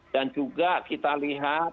dan juga kita lihat